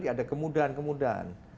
ya ada kemudahan kemudahan